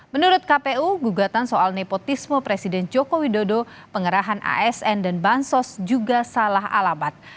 menurut kpu gugatan soal nepotisme presiden joko widodo pengerahan asn dan bansos juga salah alamat